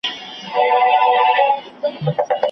چي راغلې یم دنیا ته ورځ تر بلي سي غښتلي